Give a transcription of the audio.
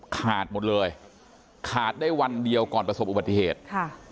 ขาดหมดเลยขาดได้วันเดียวก่อนประสบอุบัติเหตุค่ะ